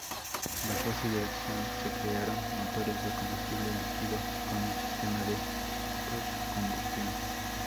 Bajo su dirección se crearon motores de combustible líquido con un sistema de postcombustión.